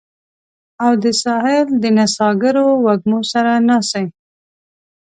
او د ساحل د نڅاګرو وږمو سره ناڅي